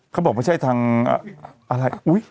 เขาบอกว่าไม่ใช่ทางอะไรอุ๊ย